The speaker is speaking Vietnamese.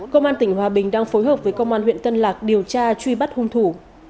công an tỉnh hòa bình đang phối hợp với công an huyện tân lạc điều tra truy bắt hung thủ